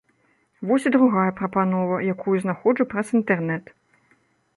Вось і другая прапанова, якую знаходжу праз інтэрнэт.